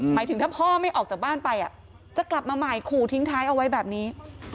หมายถึงถ้าพ่อไม่ออกจากบ้านไปจะกลับมาใหม่ขู่ทิ้งท้ายเอาไว้แบบนี้